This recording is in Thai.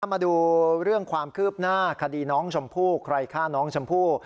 มาดูเรื่องความคืบหน้าคดีน้องชมพู่ใครฆ่าน้องชมพู่